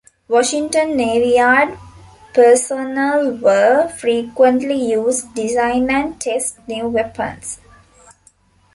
Washington Navy Yard personnel were frequently used design and test new weapons.